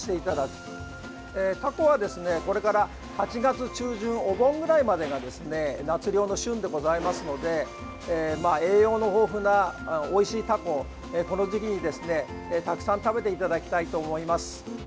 タコはこれから８月中旬お盆ぐらいまでが夏漁の旬でございますので栄養の豊富なおいしいタコをこの時期にたくさん食べていただきたいと思います。